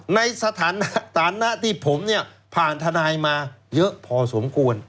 ในสถานะที่ผมเนี่ยผ่านทนายมาเยอะพอสมควร